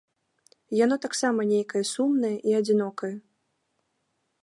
Яно таксама нейкае сумнае і адзінокае.